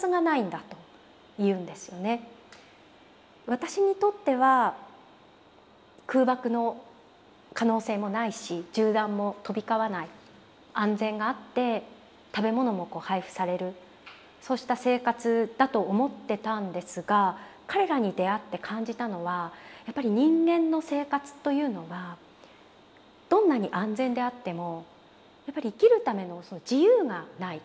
私にとっては空爆の可能性もないし銃弾も飛び交わない安全があって食べ物も配布されるそうした生活だと思ってたんですが彼らに出会って感じたのはやっぱり人間の生活というのはどんなに安全であってもやっぱり生きるための自由がない。